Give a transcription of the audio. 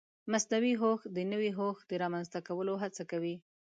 مصنوعي هوښ د نوي هوښ د رامنځته کولو هڅه کوي.